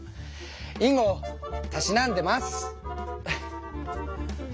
囲碁たしなんでます！